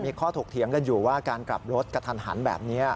มีข้อถกเถียงกันอยู่ว่าการกลับรถกระทันหันแบบนี้